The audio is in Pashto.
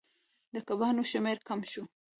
د کبانو شمیر کم شو.